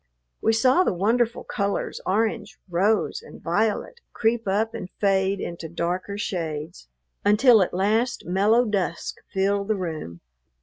We saw the wonderful colors orange, rose, and violet creep up and fade into darker shades, until at last mellow dusk filled the room.